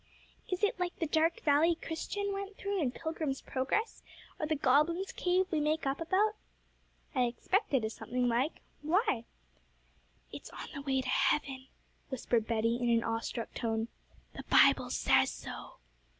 'Is it like the dark valley Christian went through in the Pilgrim's Progress, or the goblin's cave we make up about?' 'I expect it is something like. Why?' 'It's on the way to heaven,' whispered Betty, in an awestruck tone; 'the Bible says so.'